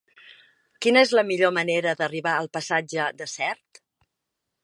Quina és la millor manera d'arribar al passatge de Sert?